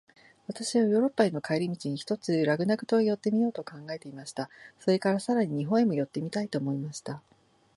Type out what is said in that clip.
私はヨーロッパへの帰り途に、ひとつラグナグ島へ寄ってみようと考えていました。それから、さらに日本へも寄ってみたいと思いました。